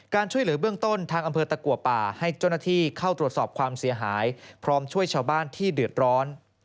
ช่วยเหลือเบื้องต้นทางอำเภอตะกัวป่าให้เจ้าหน้าที่เข้าตรวจสอบความเสียหายพร้อมช่วยชาวบ้านที่เดือดร้อน